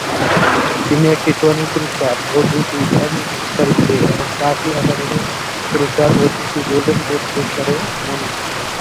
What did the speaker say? তিনি একটি টনি পুরস্কার ও দুটি এমি পুরস্কার বিজয়ী এবং চারটি একাডেমি পুরস্কার ও তিনটি গোল্ডেন গ্লোব পুরস্কারে মনোনীত।